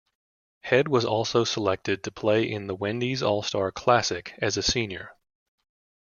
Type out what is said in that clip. Head was also selected to play in the Wendy's All-Star Classic as a senior.